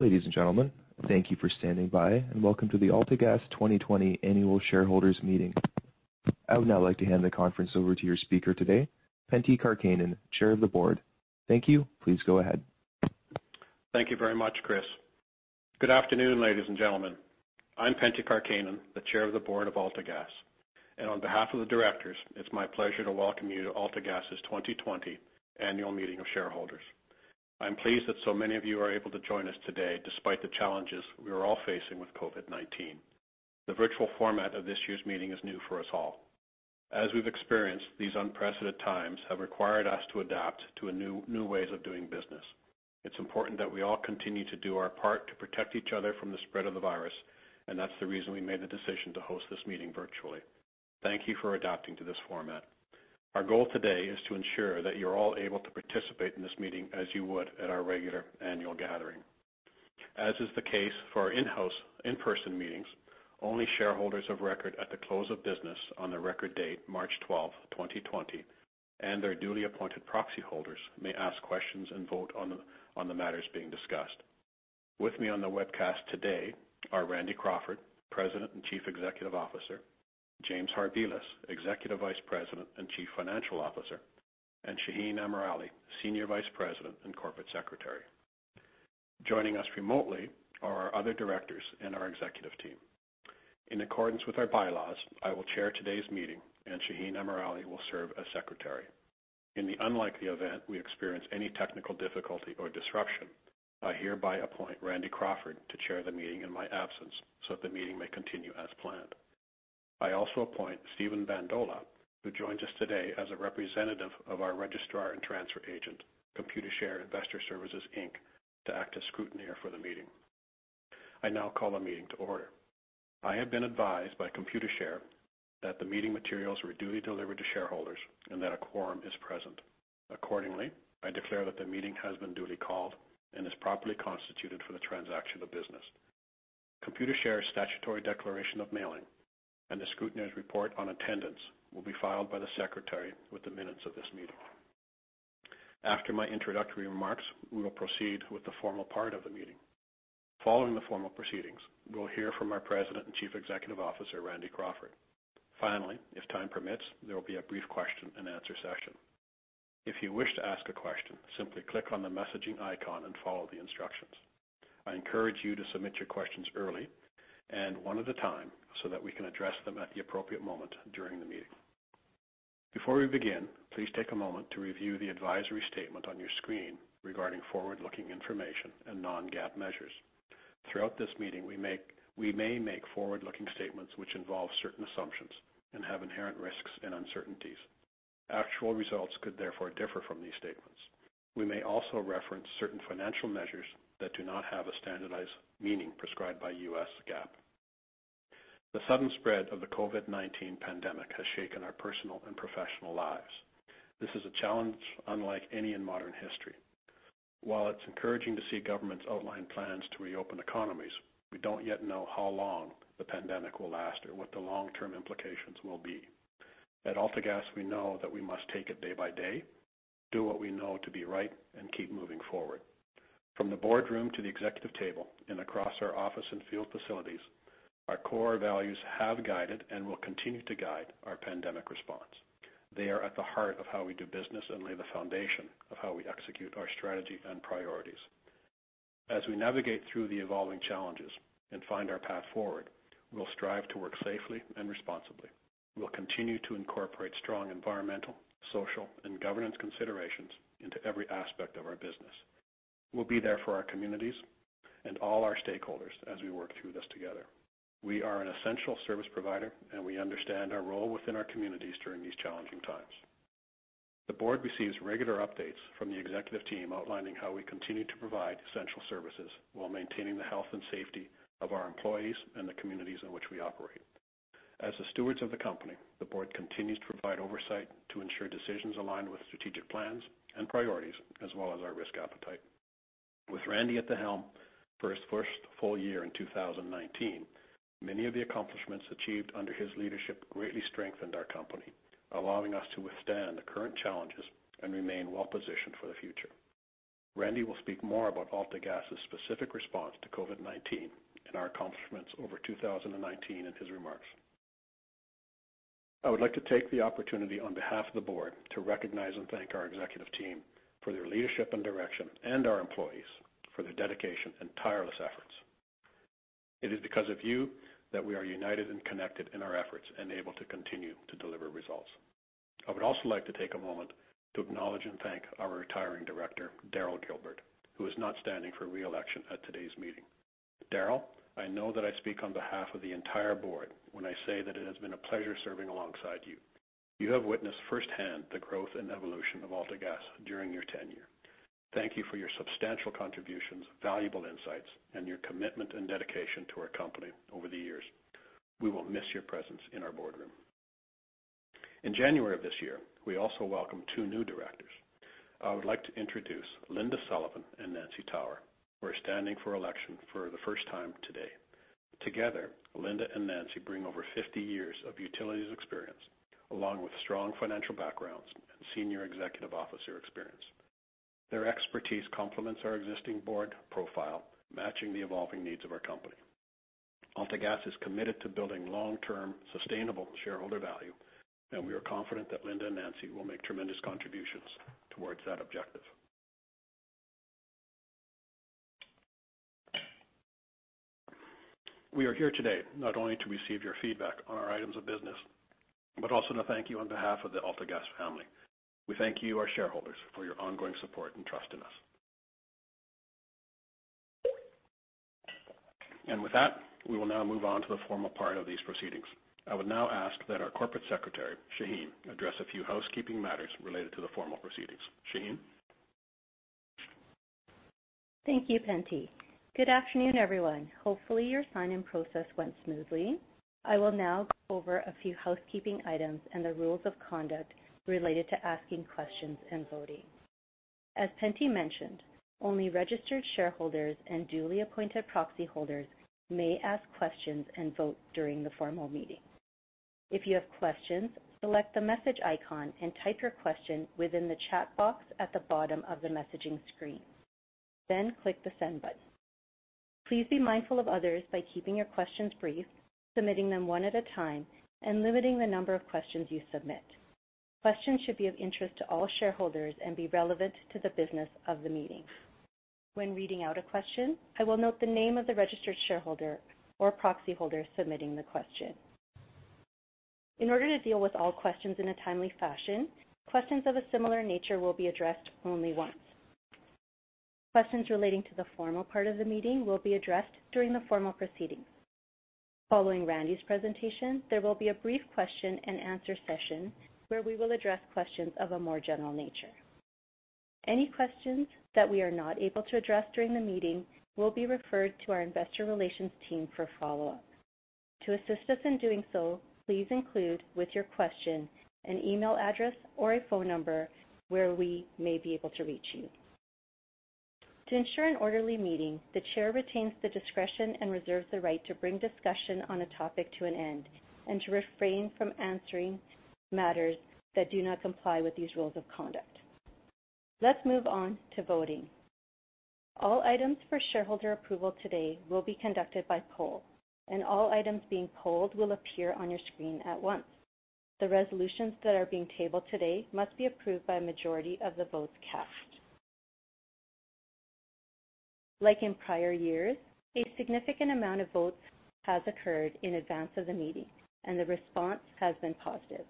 Ladies and gentlemen, thank you for standing by, and welcome to the AltaGas 2020 Annual Shareholders Meeting. I would now like to hand the conference over to your speaker today, Pentti Karkkainen, Chair of the Board. Thank you. Please go ahead. Thank you very much, Chris. Good afternoon, ladies and gentlemen. I'm Pentti Karkkainen, the Chair of the Board of AltaGas, and on behalf of the directors, it's my pleasure to welcome you to AltaGas's 2020 Annual Meeting of Shareholders. I'm pleased that so many of you are able to join us today despite the challenges we are all facing with COVID-19. The virtual format of this year's meeting is new for us all. As we've experienced, these unprecedented times have required us to adapt to new ways of doing business. It's important that we all continue to do our part to protect each other from the spread of the virus, and that's the reason we made the decision to host this meeting virtually. Thank you for adapting to this format. Our goal today is to ensure that you're all able to participate in this meeting as you would at our regular annual gathering. As is the case for our in-person meetings, only shareholders of record at the close of business on the record date, March 12, 2020, and their duly appointed proxy holders may ask questions and vote on the matters being discussed. With me on the webcast today are Randy Crawford, President and Chief Executive Officer, James Harbilas, Executive Vice President and Chief Financial Officer, and Shaheen Amirali, Senior Vice President and Corporate Secretary. Joining us remotely are our other directors and our executive team. In accordance with our bylaws, I will chair today's meeting, and Shaheen Amirali will serve as secretary. In the unlikely event we experience any technical difficulty or disruption, I hereby appoint Randy Crawford to chair the meeting in my absence so that the meeting may continue as planned. I also appoint Steven Budola, who joins us today as a representative of our registrar and transfer agent, Computershare Investor Services Inc., to act as scrutineer for the meeting. I now call the meeting to order. I have been advised by Computershare that the meeting materials were duly delivered to shareholders and that a quorum is present. Accordingly, I declare that the meeting has been duly called and is properly constituted for the transaction of business. Computershare's statutory declaration of mailing and the scrutineer's report on attendance will be filed by the secretary with the minutes of this meeting. After my introductory remarks, we will proceed with the formal part of the meeting. Following the formal proceedings, we will hear from our President and Chief Executive Officer, Randy Crawford. Finally, if time permits, there will be a brief question-and-answer session. If you wish to ask a question, simply click on the messaging icon and follow the instructions. I encourage you to submit your questions early and one at a time so that we can address them at the appropriate moment during the meeting. Before we begin, please take a moment to review the advisory statement on your screen regarding forward-looking information and non-GAAP measures. Throughout this meeting, we may make forward-looking statements which involve certain assumptions and have inherent risks and uncertainties. Actual results could therefore differ from these statements. We may also reference certain financial measures that do not have a standardized meaning prescribed by U.S. GAAP. The sudden spread of the COVID-19 pandemic has shaken our personal and professional lives. This is a challenge unlike any in modern history. While it's encouraging to see governments outline plans to reopen economies, we don't yet know how long the pandemic will last or what the long-term implications will be. At AltaGas, we know that we must take it day by day, do what we know to be right, and keep moving forward. From the boardroom to the executive table and across our office and field facilities, our core values have guided and will continue to guide our pandemic response. They are at the heart of how we do business and lay the foundation of how we execute our strategy and priorities. As we navigate through the evolving challenges and find our path forward, we will strive to work safely and responsibly. We will continue to incorporate strong environmental, social, and governance considerations into every aspect of our business. We'll be there for our communities and all our stakeholders as we work through this together. We are an essential service provider, we understand our role within our communities during these challenging times. The board receives regular updates from the executive team outlining how we continue to provide essential services while maintaining the health and safety of our employees and the communities in which we operate. As the stewards of the company, the board continues to provide oversight to ensure decisions align with strategic plans and priorities as well as our risk appetite. With Randy at the helm for his first full year in 2019, many of the accomplishments achieved under his leadership greatly strengthened our company, allowing us to withstand the current challenges and remain well-positioned for the future. Randy will speak more about AltaGas's specific response to COVID-19 and our accomplishments over 2019 in his remarks. I would like to take the opportunity on behalf of the board to recognize and thank our executive team for their leadership and direction and our employees for their dedication and tireless efforts. It is because of you that we are united and connected in our efforts and able to continue to deliver results. I would also like to take a moment to acknowledge and thank our retiring director, Daryl Gilbert, who is not standing for re-election at today's meeting. Daryl, I know that I speak on behalf of the entire board when I say that it has been a pleasure serving alongside you. You have witnessed firsthand the growth and evolution of AltaGas during your tenure. Thank you for your substantial contributions, valuable insights, and your commitment and dedication to our company over the years. We will miss your presence in our boardroom. In January of this year, we also welcomed two new directors. I would like to introduce Linda Sullivan and Nancy Tower, who are standing for election for the first time today. Together, Linda and Nancy bring over 50 years of utilities experience, along with strong financial backgrounds and senior executive officer experience. Their expertise complements our existing board profile, matching the evolving needs of our company. AltaGas is committed to building long-term, sustainable shareholder value, and we are confident that Linda and Nancy will make tremendous contributions towards that objective. We are here today not only to receive your feedback on our items of business, but also to thank you on behalf of the AltaGas family. We thank you, our shareholders, for your ongoing support and trust in us. With that, we will now move on to the formal part of these proceedings. I would now ask that our Corporate Secretary, Shaheen, address a few housekeeping matters related to the formal proceedings. Shaheen? Thank you, Pentti. Good afternoon, everyone. Hopefully, your sign-in process went smoothly. I will now go over a few housekeeping items and the rules of conduct related to asking questions and voting. As Pentti mentioned, only registered shareholders and duly appointed proxy holders may ask questions and vote during the formal meeting. If you have questions, select the message icon and type your question within the chat box at the bottom of the messaging screen. Click the send button. Please be mindful of others by keeping your questions brief, submitting them one at a time, and limiting the number of questions you submit. Questions should be of interest to all shareholders and be relevant to the business of the meeting. When reading out a question, I will note the name of the registered shareholder or proxy holder submitting the question. In order to deal with all questions in a timely fashion, questions of a similar nature will be addressed only once. Questions relating to the formal part of the meeting will be addressed during the formal proceedings. Following Randy's presentation, there will be a brief question-and-answer session where we will address questions of a more general nature. Any questions that we are not able to address during the meeting will be referred to our investor relations team for follow-up. To assist us in doing so, please include with your question an email address or a phone number where we may be able to reach you. To ensure an orderly meeting, the chair retains the discretion and reserves the right to bring discussion on a topic to an end and to refrain from answering matters that do not comply with these rules of conduct. Let's move on to voting. All items for shareholder approval today will be conducted by poll, and all items being polled will appear on your screen at once. The resolutions that are being tabled today must be approved by a majority of the votes cast. Like in prior years, a significant amount of votes has occurred in advance of the meeting, and the response has been positive.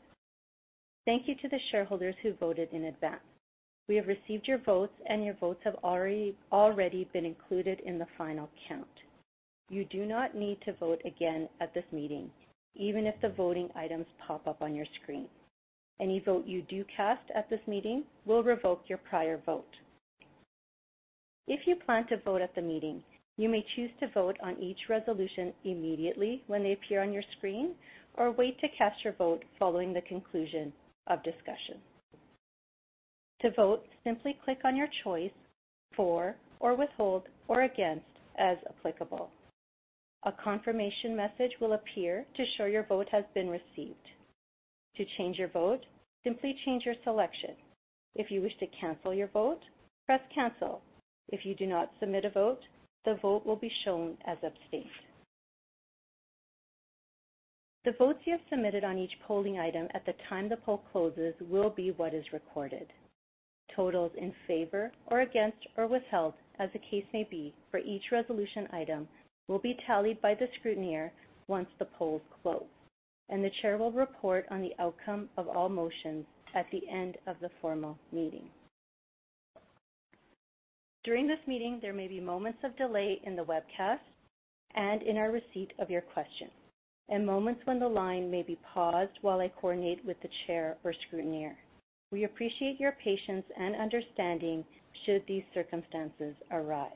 Thank you to the shareholders who voted in advance. We have received your votes, and your votes have already been included in the final count. You do not need to vote again at this meeting, even if the voting items pop up on your screen. Any vote you do cast at this meeting will revoke your prior vote. If you plan to vote at the meeting, you may choose to vote on each resolution immediately when they appear on your screen or wait to cast your vote following the conclusion of discussion. To vote, simply click on your choice for or withhold or against as applicable. A confirmation message will appear to show your vote has been received. To change your vote, simply change your selection. If you wish to cancel your vote, press Cancel. If you do not submit a vote, the vote will be shown as abstain. The votes you have submitted on each polling item at the time the poll closes will be what is recorded. Totals in favor or against or withheld, as the case may be, for each resolution item will be tallied by the scrutineer once the polls close, and the Chair will report on the outcome of all motions at the end of the formal meeting. During this meeting, there may be moments of delay in the webcast and in our receipt of your questions and moments when the line may be paused while I coordinate with the Chair or scrutineer. We appreciate your patience and understanding should these circumstances arise.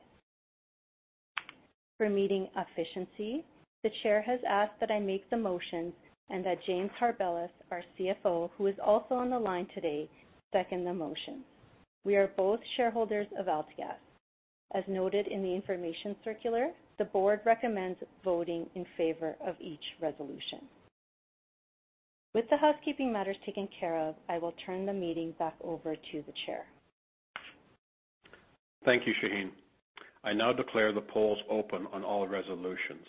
For meeting efficiency, the Chair has asked that I make the motions and that James Harbilas, our CFO, who is also on the line today, second the motion. We are both shareholders of AltaGas. As noted in the information circular, the Board recommends voting in favor of each resolution. With the housekeeping matters taken care of, I will turn the meeting back over to the chair. Thank you, Shaheen. I now declare the polls open on all resolutions.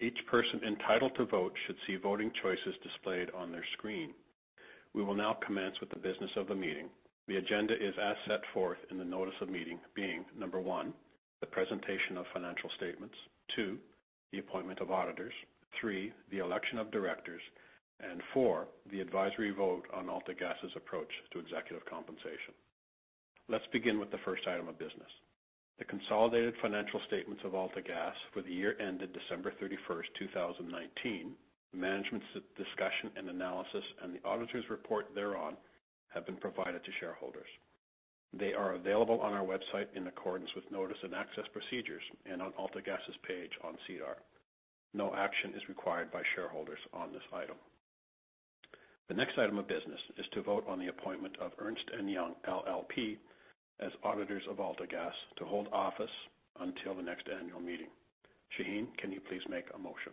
Each person entitled to vote should see voting choices displayed on their screen. We will now commence with the business of the meeting. The agenda is as set forth in the notice of meeting being, number one, the presentation of financial statements, two, the appointment of auditors, three, the election of directors, and four, the advisory vote on AltaGas' approach to executive compensation. Let's begin with the first item of business. The consolidated financial statements of AltaGas for the year ended December 31st, 2019, management's discussion and analysis, and the auditor's report thereon have been provided to shareholders. They are available on our website in accordance with notice and access procedures and on AltaGas's page on SEDAR. No action is required by shareholders on this item. The next item of business is to vote on the appointment of Ernst & Young LLP as auditors of AltaGas to hold office until the next annual meeting. Shaheen, can you please make a motion?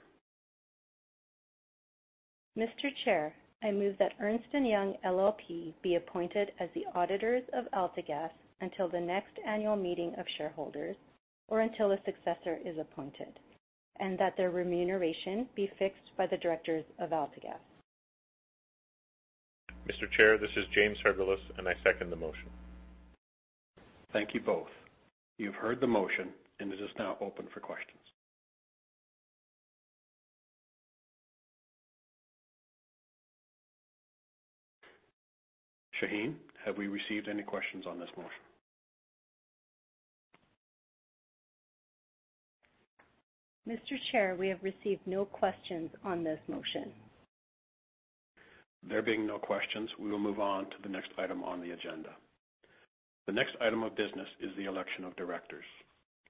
Mr. Chair, I move that Ernst & Young LLP be appointed as the auditors of AltaGas until the next annual meeting of shareholders, or until a successor is appointed, and that their remuneration be fixed by the directors of AltaGas. Mr. Chair, this is James Harbilas, and I second the motion. Thank you both. You've heard the motion, and it is now open for questions. Shaheen, have we received any questions on this motion? Mr. Chair, we have received no questions on this motion. There being no questions, we will move on to the next item on the agenda. The next item of business is the election of directors.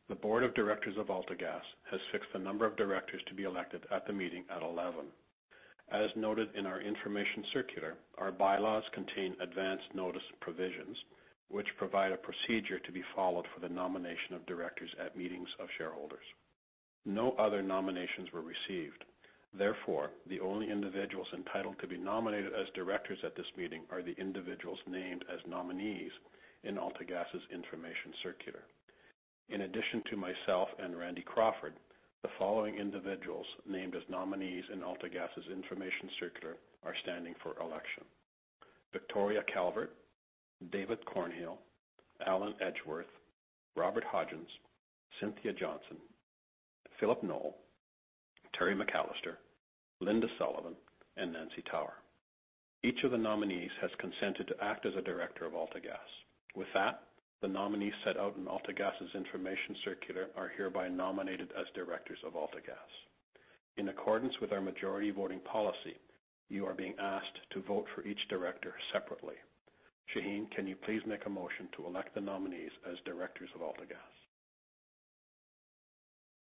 The board of directors of AltaGas has fixed the number of directors to be elected at the meeting at 11. As noted in our information circular, our bylaws contain advance notice provisions, which provide a procedure to be followed for the nomination of directors at meetings of shareholders. No other nominations were received. Therefore, the only individuals entitled to be nominated as directors at this meeting are the individuals named as nominees in AltaGas' information circular. In addition to myself and Randy Crawford, the following individuals named as nominees in AltaGas' information circular are standing for election: Victoria Calvert, David Cornhill, Allan Edgeworth, Robert Hodgins, Cynthia Johnston, Phillip Knoll, Terry McCallister, Linda Sullivan, and Nancy Tower. Each of the nominees has consented to act as a director of AltaGas. With that, the nominees set out in AltaGas' information circular are hereby nominated as directors of AltaGas. In accordance with our majority voting policy, you are being asked to vote for each director separately. Shaheen, can you please make a motion to elect the nominees as directors of AltaGas?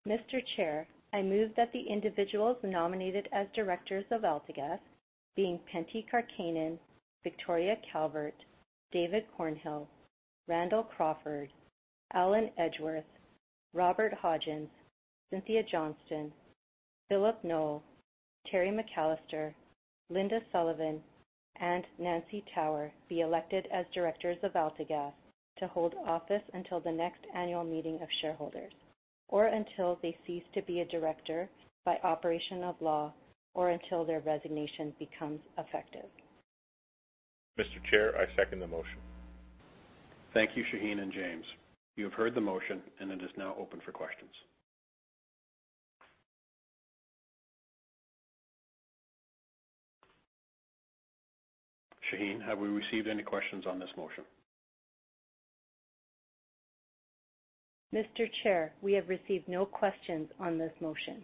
Mr. Chair, I move that the individuals nominated as directors of AltaGas, being Pentti Karkkainen, Victoria Calvert, David Cornhill, Randall Crawford, Allan Edgeworth, Robert Hodgins, Cynthia Johnston, Phillip Knoll, Terry McCallister, Linda Sullivan, and Nancy Tower be elected as directors of AltaGas to hold office until the next annual meeting of shareholders, or until they cease to be a director by operation of law, or until their resignation becomes effective. Mr. Chair, I second the motion. Thank you, Shaheen and James. You have heard the motion, and it is now open for questions. Shaheen, have we received any questions on this motion? Mr. Chair, we have received no questions on this motion.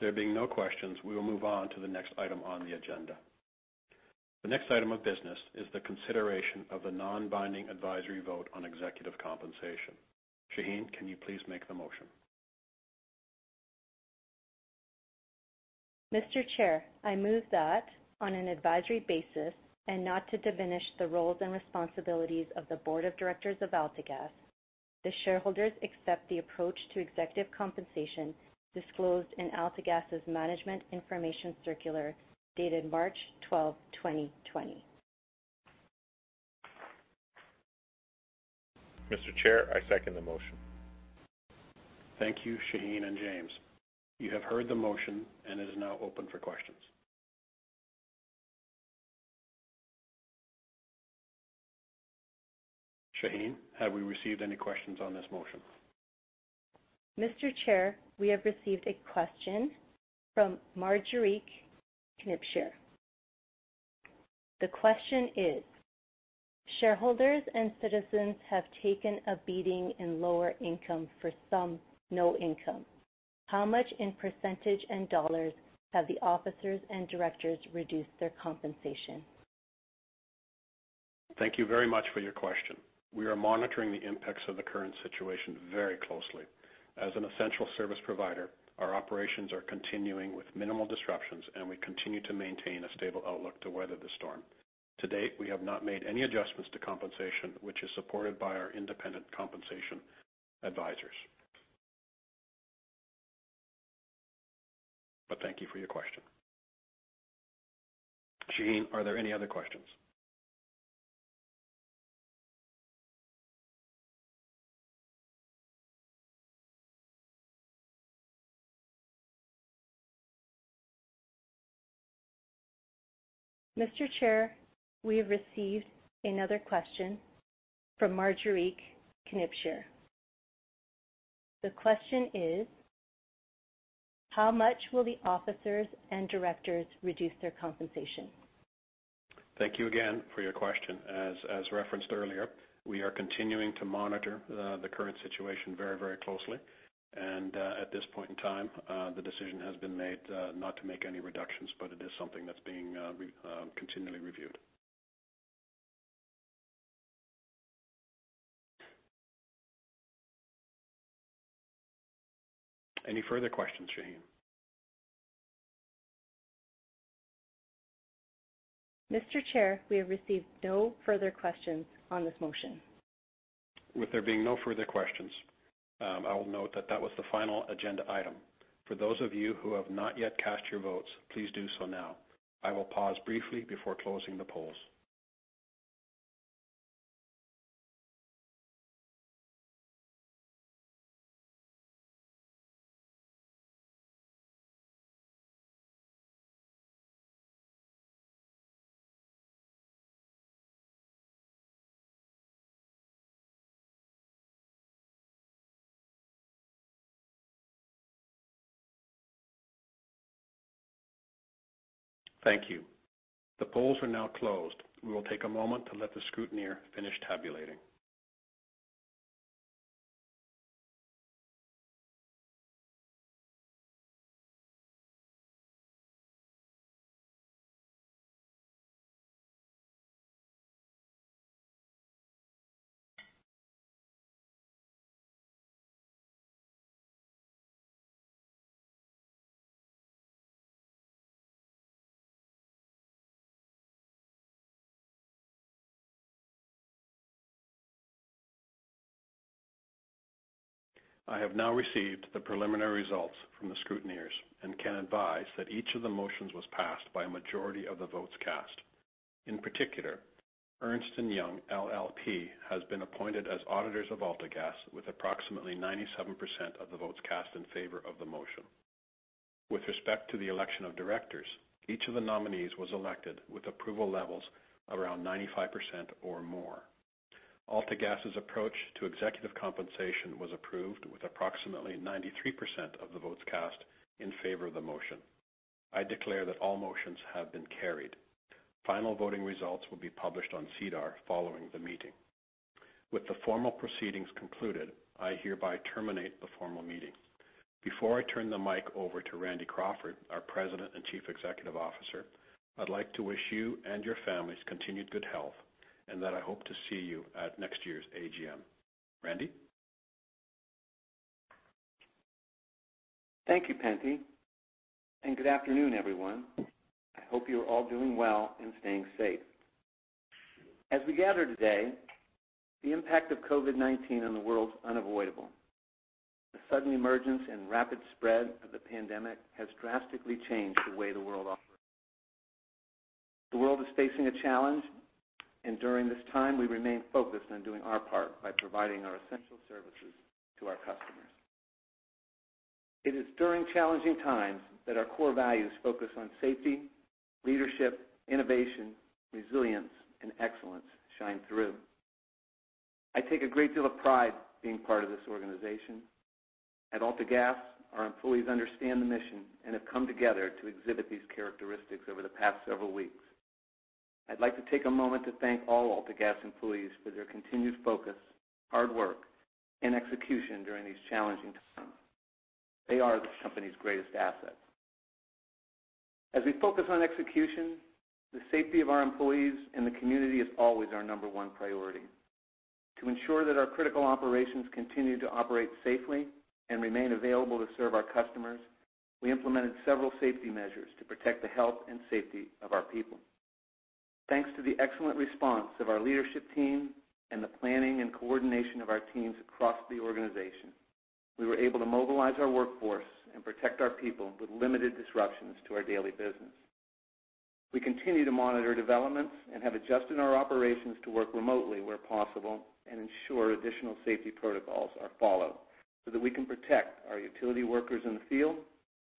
There being no questions, we will move on to the next item on the agenda. The next item of business is the consideration of the non-binding advisory vote on executive compensation. Shaheen, can you please make the motion? Mr. Chair, I move that on an advisory basis and not to diminish the roles and responsibilities of the board of directors of AltaGas, the shareholders accept the approach to executive compensation disclosed in AltaGas' management information circular dated March 12, 2020. Mr. Chair, I second the motion. Thank you, Shaheen and James. You have heard the motion, and it is now open for questions. Shaheen, have we received any questions on this motion? Mr. Chair, we have received a question from Marjorie Knipscher. The question is: shareholders and citizens have taken a beating in lower income, for some no income. How much in percentage and CAD have the officers and directors reduced their compensation? Thank you very much for your question. We are monitoring the impacts of the current situation very closely. As an essential service provider, our operations are continuing with minimal disruptions, and we continue to maintain a stable outlook to weather the storm. To date, we have not made any adjustments to compensation, which is supported by our independent compensation advisors. Thank you for your question. Shaheen, are there any other questions? Mr. Chair, we have received another question from Marjorie Knipscher. The question is: how much will the officers and directors reduce their compensation? Thank you again for your question. As referenced earlier, we are continuing to monitor the current situation very closely, and at this point in time, the decision has been made not to make any reductions, but it is something that's being continually reviewed. Any further questions, Shaheen? Mr. Chair, we have received no further questions on this motion. With there being no further questions, I will note that that was the final agenda item. For those of you who have not yet cast your votes, please do so now. I will pause briefly before closing the polls. Thank you. The polls are now closed. We will take a moment to let the scrutineer finish tabulating. I have now received the preliminary results from the scrutineers and can advise that each of the motions was passed by a majority of the votes cast. In particular, Ernst & Young LLP has been appointed as auditors of AltaGas with approximately 97% of the votes cast in favor of the motion. With respect to the election of directors, each of the nominees was elected with approval levels around 95% or more. AltaGas' approach to executive compensation was approved with approximately 93% of the votes cast in favor of the motion. I declare that all motions have been carried. Final voting results will be published on SEDAR following the meeting. With the formal proceedings concluded, I hereby terminate the formal meeting. Before I turn the mic over to Randy Crawford, our President and Chief Executive Officer, I'd like to wish you and your families continued good health and that I hope to see you at next year's AGM. Randy? Thank you, Pentti, and good afternoon, everyone. I hope you are all doing well and staying safe. As we gather today, the impact of COVID-19 on the world is unavoidable. The sudden emergence and rapid spread of the pandemic has drastically changed the way the world operates. The world is facing a challenge, and during this time, we remain focused on doing our part by providing our essential services to our customers. It is during challenging times that our core values focused on safety, leadership, innovation, resilience, and excellence shine through. I take a great deal of pride being part of this organization. At AltaGas, our employees understand the mission and have come together to exhibit these characteristics over the past several weeks. I'd like to take a moment to thank all AltaGas employees for their continued focus, hard work, and execution during these challenging times. They are the company's greatest asset. As we focus on execution, the safety of our employees and the community is always our number one priority. To ensure that our critical operations continue to operate safely and remain available to serve our customers, we implemented several safety measures to protect the health and safety of our people. Thanks to the excellent response of our leadership team and the planning and coordination of our teams across the organization, we were able to mobilize our workforce and protect our people with limited disruptions to our daily business. We continue to monitor developments and have adjusted our operations to work remotely where possible and ensure additional safety protocols are followed so that we can protect our utility workers in the field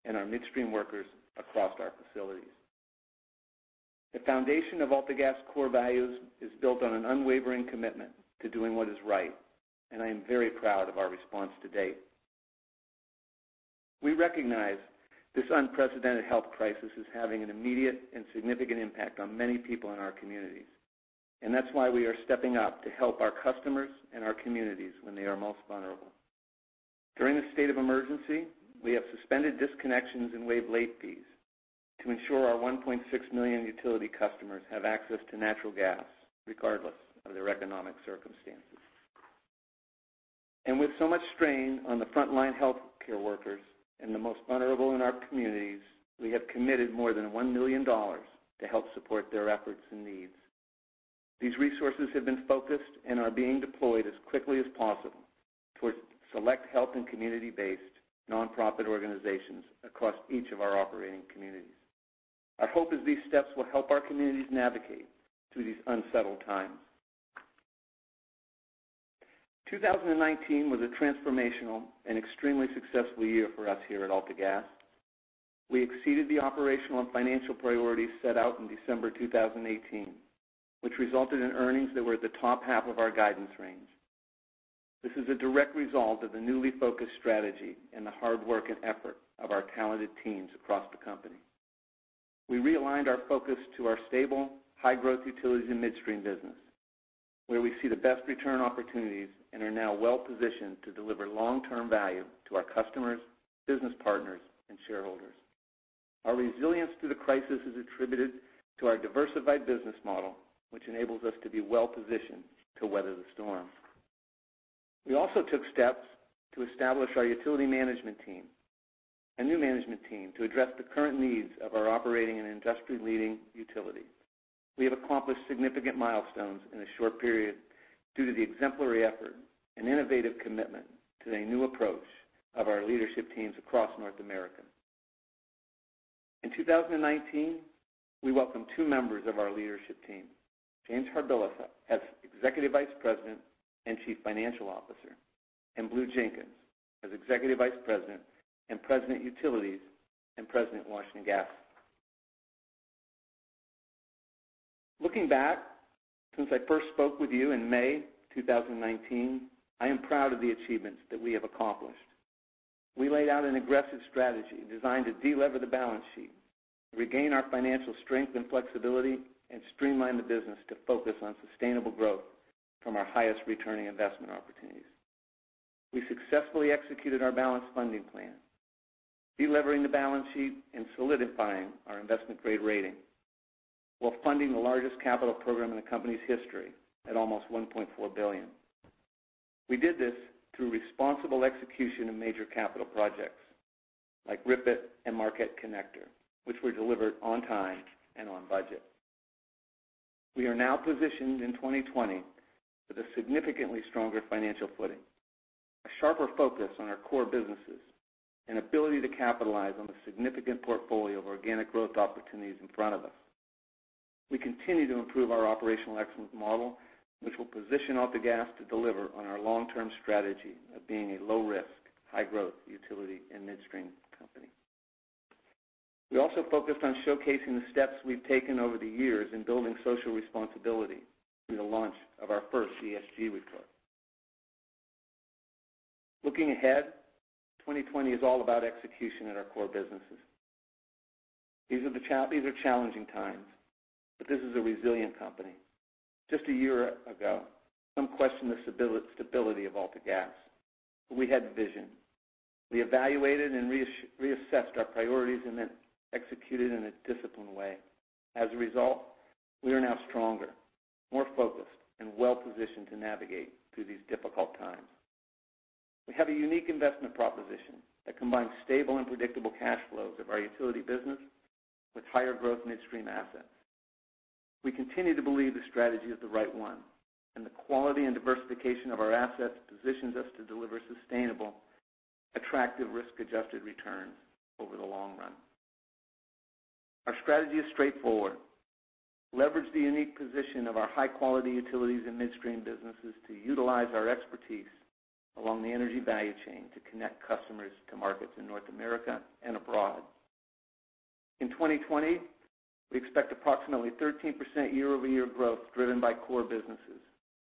and our midstream workers across our facilities. The foundation of AltaGas core values is built on an unwavering commitment to doing what is right. I am very proud of our response to date. We recognize this unprecedented health crisis is having an immediate and significant impact on many people in our communities. That's why we are stepping up to help our customers and our communities when they are most vulnerable. During this state of emergency, we have suspended disconnections and waived late fees to ensure our 1.6 million utility customers have access to natural gas regardless of their economic circumstances. With so much strain on the frontline healthcare workers and the most vulnerable in our communities, we have committed more than 1 million dollars to help support their efforts and needs. These resources have been focused and are being deployed as quickly as possible towards select health and community-based nonprofit organizations across each of our operating communities. Our hope is these steps will help our communities navigate through these unsettled times. 2019 was a transformational and extremely successful year for us here at AltaGas. We exceeded the operational and financial priorities set out in December 2018, which resulted in earnings that were at the top half of our guidance range. This is a direct result of the newly focused strategy and the hard work and effort of our talented teams across the company. We realigned our focus to our stable, high-growth utilities and midstream business, where we see the best return opportunities and are now well-positioned to deliver long-term value to our customers, business partners, and shareholders. Our resilience through the crisis is attributed to our diversified business model, which enables us to be well-positioned to weather the storm. We also took steps to establish our utility management team, a new management team to address the current needs of our operating and industry-leading utility. We have accomplished significant milestones in a short period due to the exemplary effort and innovative commitment to a new approach of our leadership teams across North America. In 2019, we welcomed two members of our leadership team, James Harbilas as Executive Vice President and Chief Financial Officer, and Blue Jenkins as Executive Vice President and President, Utilities and President, Washington Gas. Looking back, since I first spoke with you in May 2019, I am proud of the achievements that we have accomplished. We laid out an aggressive strategy designed to de-lever the balance sheet, regain our financial strength and flexibility, and streamline the business to focus on sustainable growth from our highest returning investment opportunities. We successfully executed our balanced funding plan, de-levering the balance sheet and solidifying our investment-grade rating, while funding the largest capital program in the company's history at almost 1.4 billion. We did this through responsible execution of major capital projects, like RIPET and Marquette Connector, which were delivered on time and on budget. We are now positioned in 2020 with a significantly stronger financial footing, a sharper focus on our core businesses, and ability to capitalize on the significant portfolio of organic growth opportunities in front of us. We continue to improve our operational excellence model, which will position AltaGas to deliver on our long-term strategy of being a low-risk, high-growth utility and midstream company. We also focused on showcasing the steps we've taken over the years in building social responsibility through the launch of our first ESG report. Looking ahead, 2020 is all about execution at our core businesses. These are challenging times, but this is a resilient company. Just a year ago, some questioned the stability of AltaGas, but we had vision. We evaluated and reassessed our priorities and then executed in a disciplined way. As a result, we are now stronger, more focused, and well-positioned to navigate through these difficult times. We have a unique investment proposition that combines stable and predictable cash flows of our utility business with higher growth midstream assets. We continue to believe this strategy is the right one, and the quality and diversification of our assets positions us to deliver sustainable, attractive risk-adjusted returns over the long run. Our strategy is straightforward. Leverage the unique position of our high-quality utilities and midstream businesses to utilize our expertise along the energy value chain to connect customers to markets in North America and abroad. In 2020, we expect approximately 13% year-over-year growth driven by core businesses,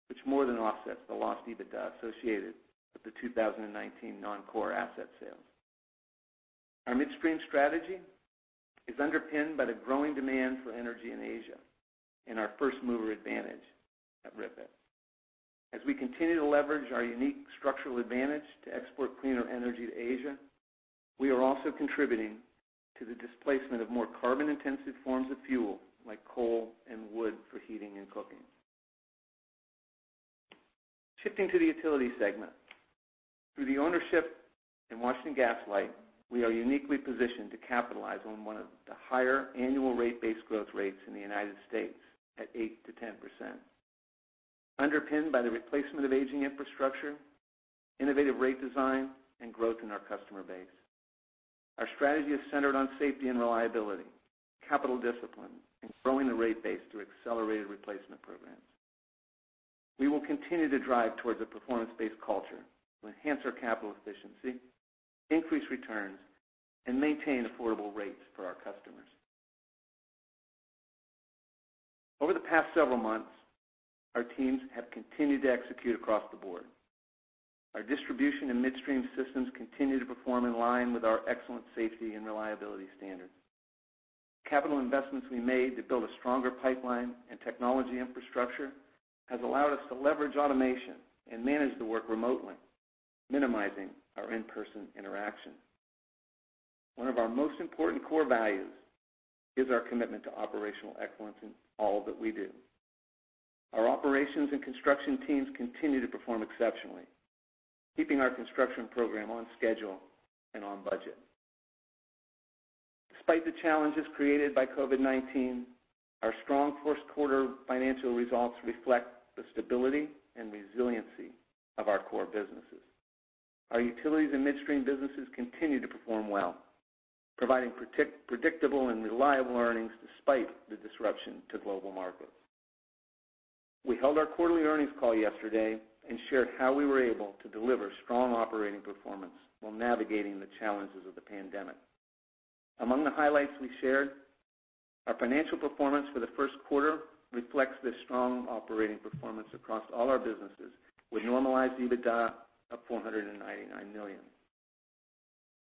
which more than offsets the lost EBITDA associated with the 2019 non-core asset sales. Our midstream strategy is underpinned by the growing demand for energy in Asia and our first-mover advantage at RIPET. As we continue to leverage our unique structural advantage to export cleaner energy to Asia, we are also contributing to the displacement of more carbon-intensive forms of fuel, like coal and wood for heating and cooking. Shifting to the utility segment. Through the ownership in Washington Gas Light, we are uniquely positioned to capitalize on one of the higher annual rate base growth rates in the United States at 8%-10%, underpinned by the replacement of aging infrastructure, innovative rate design, and growth in our customer base. Our strategy is centered on safety and reliability, capital discipline, and growing the rate base through accelerated replacement programs. We will continue to drive towards a performance-based culture to enhance our capital efficiency, increase returns, and maintain affordable rates for our customers. Over the past several months, our teams have continued to execute across the board. Our distribution and midstream systems continue to perform in line with our excellent safety and reliability standards. Capital investments we made to build a stronger pipeline and technology infrastructure has allowed us to leverage automation and manage the work remotely, minimizing our in-person interaction. One of our most important core values is our commitment to operational excellence in all that we do. Our operations and construction teams continue to perform exceptionally, keeping our construction program on schedule and on budget. Despite the challenges created by COVID-19, our strong first quarter financial results reflect the stability and resiliency of our core businesses. Our utilities and midstream businesses continue to perform well, providing predictable and reliable earnings despite the disruption to global markets. We held our quarterly earnings call yesterday and shared how we were able to deliver strong operating performance while navigating the challenges of the pandemic. Among the highlights we shared, our financial performance for the first quarter reflects the strong operating performance across all our businesses with normalized EBITDA of 499 million.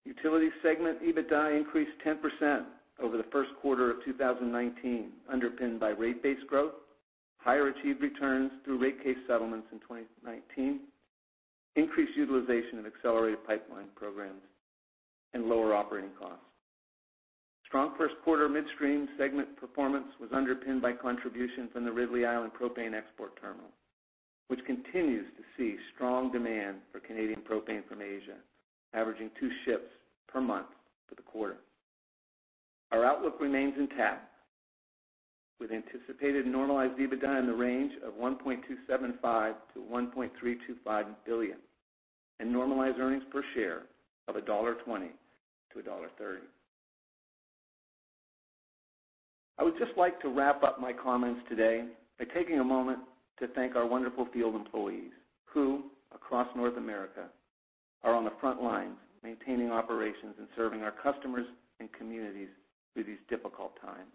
Utility segment EBITDA increased 10% over the first quarter of 2019, underpinned by rate base growth, higher achieved returns through rate case settlements in 2019, increased utilization of accelerated pipeline programs and lower operating costs. Strong first quarter midstream segment performance was underpinned by contributions in the Ridley Island Propane Export Terminal, which continues to see strong demand for Canadian propane from Asia, averaging two ships per month for the quarter. Our outlook remains intact, with anticipated normalized EBITDA in the range of 1.275 billion-1.325 billion and normalized earnings per share of CAD 1.20-CAD 1.30. I would just like to wrap up my comments today by taking a moment to thank our wonderful field employees who, across North America, are on the front lines maintaining operations and serving our customers and communities through these difficult times.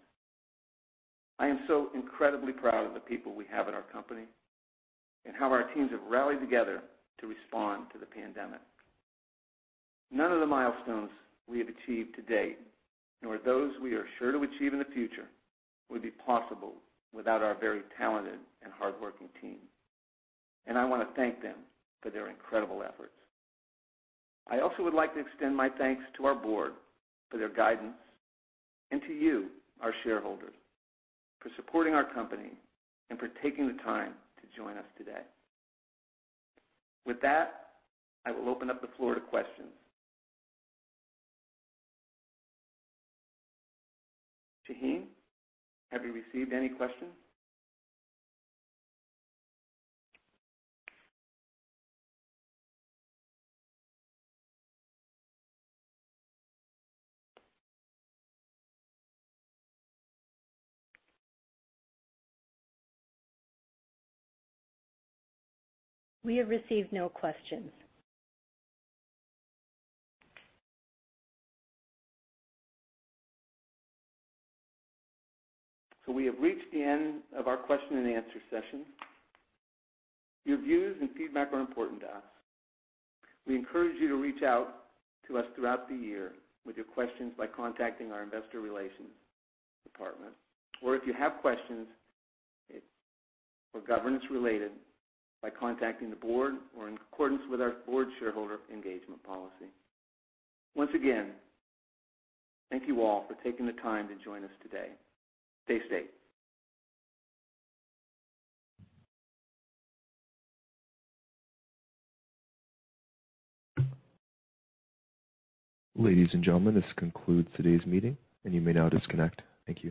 I am so incredibly proud of the people we have at our company and how our teams have rallied together to respond to the pandemic. None of the milestones we have achieved to date, nor those we are sure to achieve in the future, would be possible without our very talented and hardworking team, and I want to thank them for their incredible efforts. I also would like to extend my thanks to our board for their guidance and to you, our shareholders, for supporting our company and for taking the time to join us today. With that, I will open up the floor to questions. Shaheen, have you received any questions? We have received no questions. We have reached the end of our question-and-answer session. Your views and feedback are important to us. We encourage you to reach out to us throughout the year with your questions by contacting our investor relations department, or if you have questions or governance-related, by contacting the board or in accordance with our board shareholder engagement policy. Once again, thank you all for taking the time to join us today. Stay safe. Ladies and gentlemen, this concludes today's meeting and you may now disconnect. Thank you.